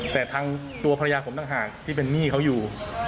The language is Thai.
แต่ทางตัวภรรยาผมต่างหากที่เป็นหนี้เขาอยู่